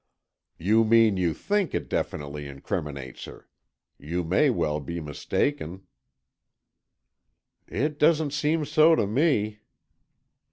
"You mean you think it definitely incriminates her. You may well be mistaken." "It doesn't seem so to me."